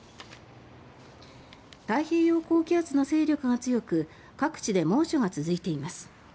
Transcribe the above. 太平洋高気圧の勢力が強く各地で猛暑が続いています。